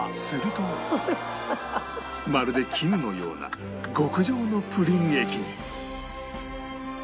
するとまるで絹のような極上のプリン液に